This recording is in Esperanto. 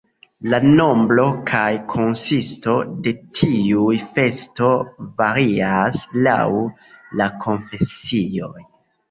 La nombro kaj konsisto de tiuj festoj varias laŭ la konfesioj.